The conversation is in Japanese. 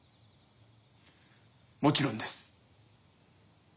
もちろんです。